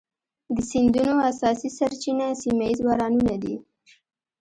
د سیندونو اساسي سرچینه سیمه ایز بارانونه دي.